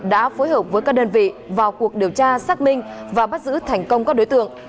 đã phối hợp với các đơn vị vào cuộc điều tra xác minh và bắt giữ thành công các đối tượng